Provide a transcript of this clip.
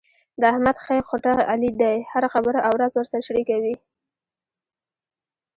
د احمد ښۍ خوټه علي دی، هره خبره او راز ورسره شریکوي.